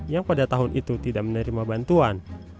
yang pada tahun itu tidak menerima bantuan